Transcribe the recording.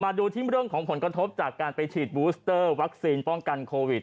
ดูที่เรื่องของผลกระทบจากการไปฉีดบูสเตอร์วัคซีนป้องกันโควิด